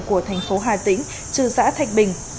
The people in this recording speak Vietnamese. của thành phố hà tĩnh trừ xã thạch bình